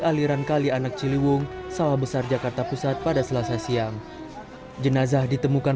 aliran kali anak ciliwung sawah besar jakarta pusat pada selasa siang jenazah ditemukan